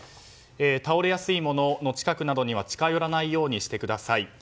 倒れやすいものの近くなどには近寄らないようにしてください。